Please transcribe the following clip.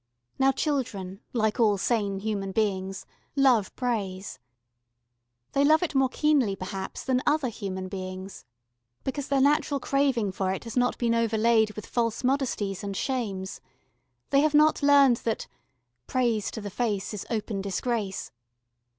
Now children, like all sane human beings, love praise. They love it more keenly perhaps than other human beings because their natural craving for it has not been overlaid with false modesties and shames. They have not learned that Praise to the face Is open disgrace.